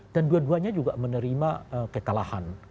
keduanya juga menerima kekalahan